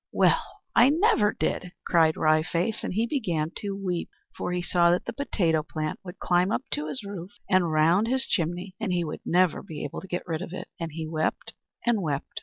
"Well, I never did!" cried Wry Face, and he began to weep; for he saw that the potato plant would climb up to his roof and round his chimney and he would never be able to get rid of it. And he wept and wept.